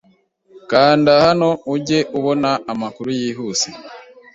Kanda hano ujye ubona amakuru yihuse